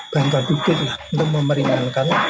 bantuan bukit untuk memeringatkan